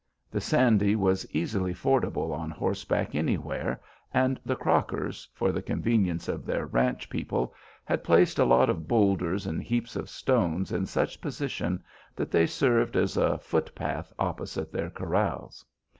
The Sandy was easily fordable on horseback anywhere, and the Crockers, for the convenience of their ranch people, had placed a lot of bowlders and heaps of stones in such position that they served as a foot path opposite their corrals.